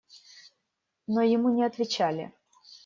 Но ему не отвечали.